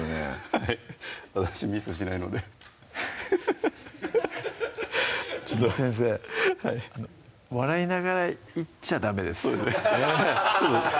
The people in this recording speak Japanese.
はい私ミスしないのでハハハハ簾先生はい笑いながら言っちゃダメですそうですね